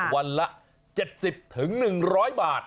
วันละ๗๐๑๐๐บาท